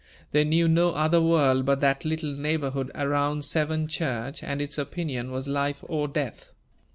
They knew no other world but that little neighborhood around Severn church, and its opinion was life or death.